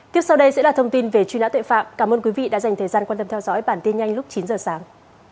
tiếp sau đây sẽ là thông tin về truy nã tội phạm cảm ơn quý vị đã dành thời gian quan tâm theo dõi bản tin nhanh lúc chín giờ sáng